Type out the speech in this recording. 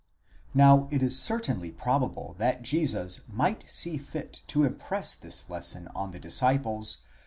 Now it is certainly probable that Jesus might see fit to impress this lesson on the disciples.